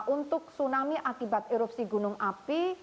untuk tsunami akibat erupsi gunung api